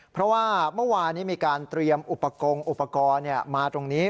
เพราะว่าเมื่อวานนี้มีการเตรียมอุปกรณ์อุปกรณ์มาตรงนี้